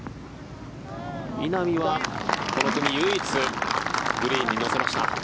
稲見はこの組、唯一グリーンに乗せました。